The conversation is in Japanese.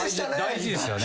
大事ですよね。